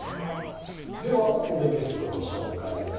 ここでゲストをご紹介です。